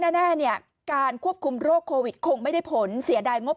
แน่เนี่ยการควบคุมโรคโควิดคงไม่ได้ผลเสียดายงบ